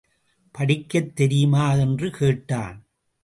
படிக்கத் தெரியுமா? என்று கேட்டான்.